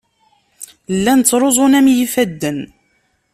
Llan ttruẓun-am yifadden.